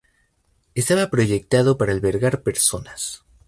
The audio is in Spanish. Estaba proyectado para albergar personas.